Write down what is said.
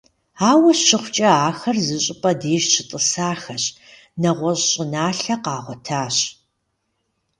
Ауэ щыхъукӀэ, ахэр зыщӀыпӀэ деж щетӀысэхащ, нэгъуэщӀ щӀыналъэ къагъуэтащ.